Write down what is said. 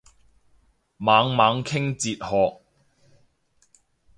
猛猛傾哲學